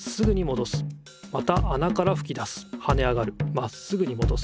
まっすぐにもどす。